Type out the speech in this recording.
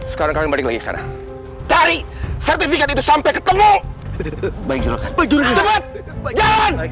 sekarang balik lagi sana dari sertifikat itu sampai ketemu baik baik jalan jalan